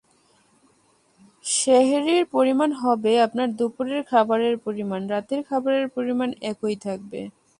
সেহিরর পরিমাণ হবে আপনার দুপুরের খাবারের পরিমাণ, রাতের খাবারের পরিমাণ একই থাকবে।